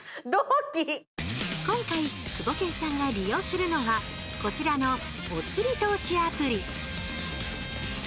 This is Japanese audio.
今回クボケンさんが利用するのはこちらのおつり投資アプリ。